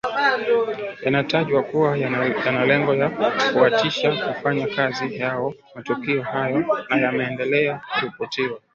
yanatajwa kuwa yanalengo la kuwatisha kufanya kazi yao matukio hayo na yameendelea kuripotiwa